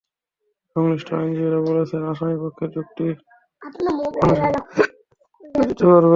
সংশ্লিষ্ট আইনজীবীরা বলছেন, আসামিপক্ষের যুক্তি খণ্ডন শেষে রাষ্ট্রপক্ষ চাইলে প্রত্যুত্তর দিতে পারবে।